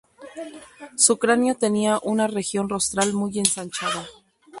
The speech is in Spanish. Su cráneo tenía una región rostral muy ensanchada.